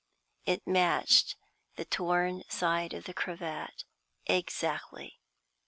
It matched the torn side of the cravat exactly.